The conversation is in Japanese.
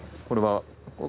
これは？